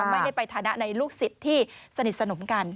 ไม่ได้ไปฐานะในลูกศิษย์ที่สนิทสนมกัน